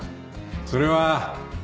それは。